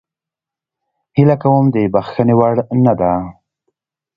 هیله کوم د بخښنې وړ نه ده.